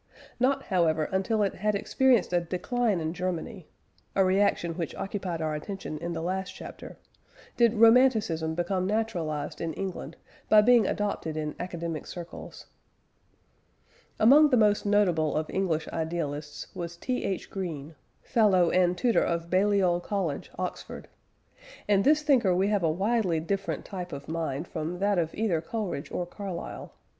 Not, however, until it had experienced a decline in Germany (a reaction which occupied our attention in the last chapter), did Romanticism become naturalised in England by being adopted in academic circles. Among the most notable of English idealists was T. H. Green fellow and tutor of Balliol College, Oxford. In this thinker we have a widely different type of mind from that of either Coleridge or Carlyle.